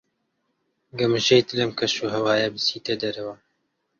گەمژەیت لەم کەشوهەوایە بچیتە دەرەوە.